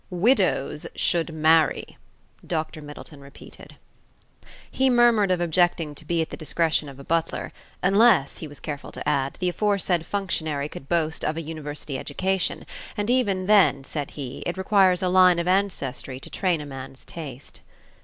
"Widows should marry!" Dr. Middleton repeated. He murmured of objecting to be at the discretion of a butler; unless, he was careful to add, the aforesaid functionary could boast of an University education; and even then, said he, it requires a line of ancestry to train a man's taste.